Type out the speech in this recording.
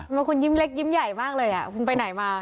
เป็นคนยิ้มเล็กยิ้มใหญ่มากเลยคุณไปไหนมา